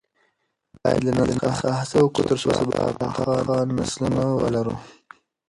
باید له نن څخه هڅه وکړو ترڅو سبا پاخه نسلونه ولرو.